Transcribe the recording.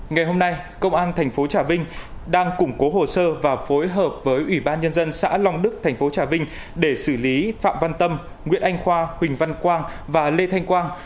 ngày hôm nay công an tp trà vinh đang củng cố hồ sơ và phối hợp với ủy ban nhân dân xã long đức thành phố trà vinh để xử lý phạm văn tâm nguyễn anh khoa huỳnh văn quang và lê thanh quang